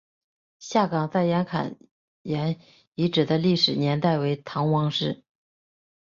下岗再南坎沿遗址的历史年代为唐汪式。